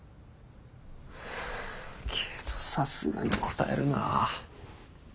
けどさすがにこたえるな。